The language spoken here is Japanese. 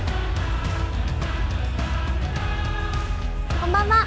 こんばんは。